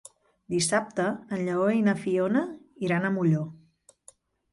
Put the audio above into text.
Dissabte en Lleó i na Fiona iran a Molló.